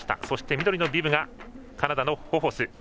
そして緑のビブがカナダのホフォス。